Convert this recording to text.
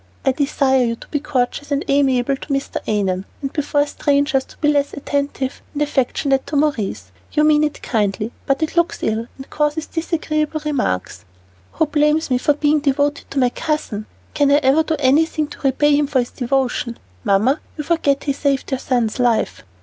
I desire you to be courteous and amiable to Mr. Annon, and before strangers to be less attentive and affectionate to Maurice. You mean it kindly, but it looks ill, and causes disagreeable remarks." "Who blames me for being devoted to my cousin? Can I ever do enough to repay him for his devotion? Mamma, you forget he saved your son's life."